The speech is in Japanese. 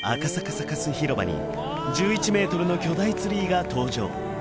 サカス広場に１１ｍの巨大ツリーが登場